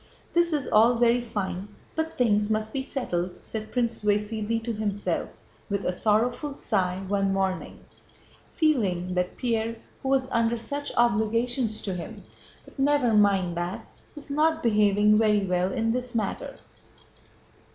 "This is all very fine, but things must be settled," said Prince Vasíli to himself, with a sorrowful sigh, one morning, feeling that Pierre who was under such obligations to him ("But never mind that") was not behaving very well in this matter.